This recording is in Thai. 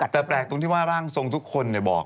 แต่แปลกตรงที่ว่าร่างทรงทุกคนบอก